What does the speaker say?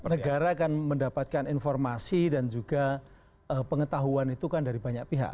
negara akan mendapatkan informasi dan juga pengetahuan itu kan dari banyak pihak